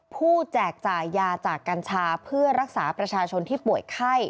แจกจ่ายยาจากกัญชาเพื่อรักษาประชาชนที่ป่วยไข้